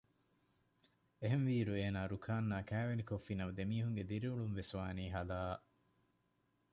އެހެންވީއިރު އޭނާ ރުކާންއާ ކައިވެނިކޮށްފިނަމަ ދެމީހުންގެ ދިރިއުޅުންވެސް ވާނީ ހަލާއް